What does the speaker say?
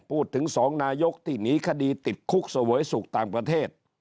พูดถึงสองนายกที่หนีคดีติดคุกเสวยสุขต่างประเทศ